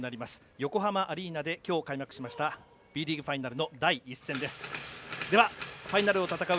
横浜アリーナできょう開幕したＢリーグファイナルの第１戦です。